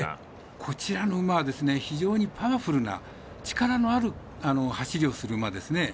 こちらの馬は非常にパワフルな力のある走りをする馬ですね。